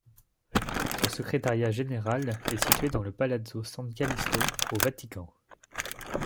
Son Secrétariat Général est situé dans le Palazzo San Calisto au Vatican.